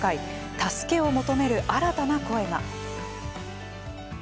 助けを求める新たな声が。